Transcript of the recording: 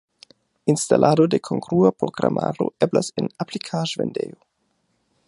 Instalado de kongrua programaro eblas en aplikaĵ-vendejo.